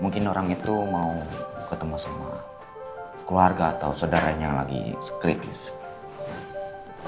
mungkin orang itu mau ketemu sama keluarga atau saudaranya yang lagi kritis